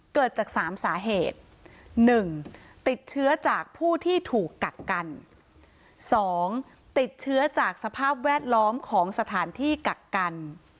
เกิดจากสามสาเหตุหนึ่งติดเชื้อจากผู้ที่ถูกกักกัน๒ติดเชื้อจากสภาพแวดล้อมของสถานที่กักกัน